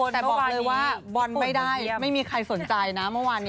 แต่บอกเลยว่าบอลไม่ได้ไม่มีใครสนใจนะเมื่อวานนี้